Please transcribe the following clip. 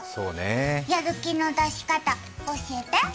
やる気の出し方教えて。